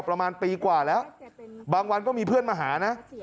ประมาณปีกว่าแล้วบางวันก็มีเพื่อนมาหานะ